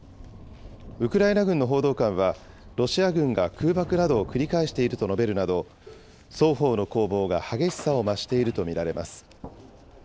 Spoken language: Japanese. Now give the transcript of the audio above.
ウクライナ軍の報道官は、ロシア軍が空爆などを繰り返していると述べるなど、双方の攻防が激しさを増していると見られます。